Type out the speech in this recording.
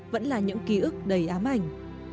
vẫn là những ký ức đầy ám ảnh